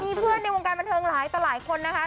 มีเพื่อนในวงการบันเทิงหลายต่อหลายคนนะคะ